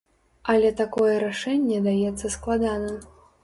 Але такое рашэнне даецца складана.